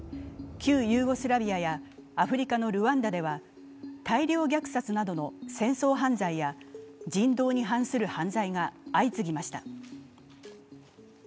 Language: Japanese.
旧ユーゴスラビアやアフリカのルワンダでは大量虐殺などの戦争犯罪や人道に反する犯罪が相次ぎました。